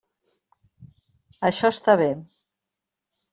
Això està bé.